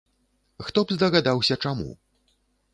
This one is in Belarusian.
Хто б здагадаўся, чаму.